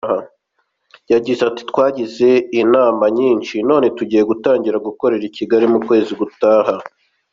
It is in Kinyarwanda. Yagize ati “Twagize inama nyinshi none tugiye gutangira gukorera i Kigali mu kwezi gutaha.